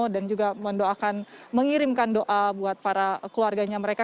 dan juga mendoakan mengirimkan doa buat para keluarganya mereka